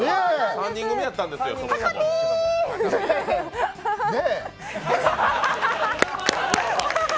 ３人組やったんですね。